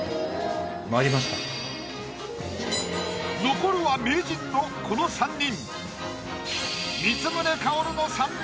残るは名人のこの３人。